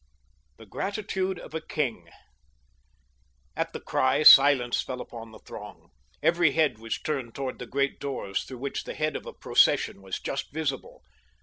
THE GRATITUDE OF A KING At the cry silence fell upon the throng. Every head was turned toward the great doors through which the head of a procession was just visible.